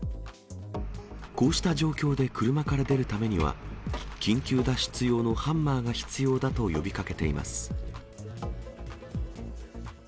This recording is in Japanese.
こうした状況で車から出るためには、緊急脱出用のハンマーが必要だと呼びかけています。